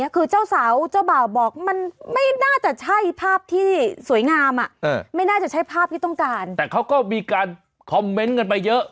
คือเจ้าสาวเจ้าบ่าวบอกมันไม่น่าจะใช่ภาพที่สวยงามอ่ะไม่น่าจะใช่ภาพที่ต้องการแต่เขาก็มีการคอมเมนต์กันไปเยอะ